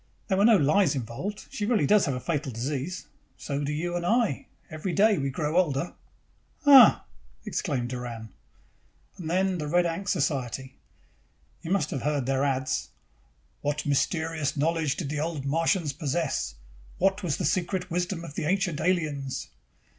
"There were no lies involved. She really does have a fatal disease. So do you and I. Every day we grow older." "Uh!" exclaimed Doran. "And then the Red Ankh Society. You must have seen or heard their ads. 'What mysterious knowledge did the Old Martians possess? What was the secret wisdom of the Ancient Aliens?